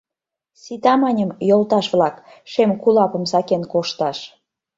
— Сита, маньым, йолташ-влак, шем кулапым сакен кошташ.